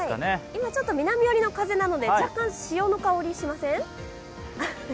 今ちょっと南寄りの風なので若干潮の香り、しません？